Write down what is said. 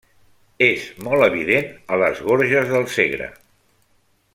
És molt evident a les Gorges del Segre.